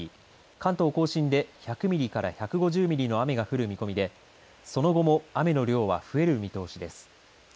関東甲信で１００ミリから１５０ミリの雨が降る見込みでその後も雨の量は増える見通しです。